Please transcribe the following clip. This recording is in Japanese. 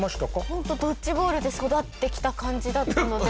ホントドッジボールで育ってきた感じだったので。